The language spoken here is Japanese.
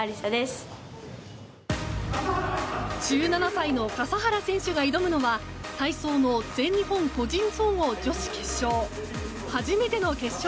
１７歳の笠原選手が挑むのは体操の全日本個人総合女子決勝。